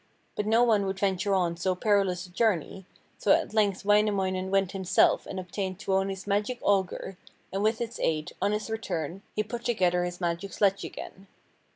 But no one would venture on so perilous a journey, so at length Wainamoinen went himself and obtained Tuoni's magic auger, and with its aid, on his return, he put together his magic sledge again.